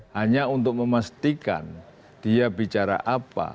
hanya untuk memastikan dia bicara apa